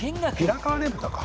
平川ねぷたか